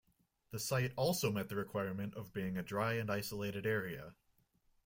The site also met the requirement of being a dry and isolated area.